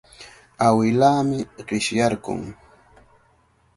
Awilaami qishyarqun.